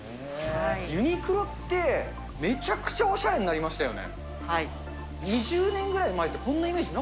ユニクロって、めちゃくちゃおしゃれになりましたよね。